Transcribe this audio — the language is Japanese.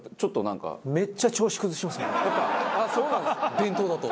弁当だと？